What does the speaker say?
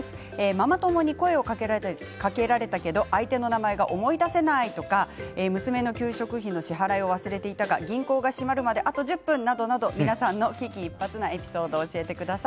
ママ友に声をかけられたけど相手の名前が思い出せないとか娘の給食費の支払いを忘れていたが銀行が閉まるまであと１０分などなど皆さんの危機一髪なエピソードを教えてください。